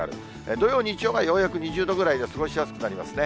土曜、日曜はようやく２０度ぐらいで過ごしやすくなりますね。